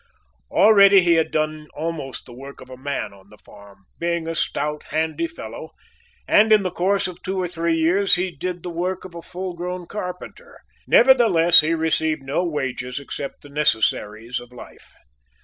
Already he had done almost the work of a man on the farm, being a stout, handy fellow, and in the course of two or three years he did the work of a full grown carpenter; nevertheless, he received no wages except the necessaries of life.